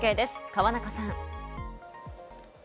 河中さん。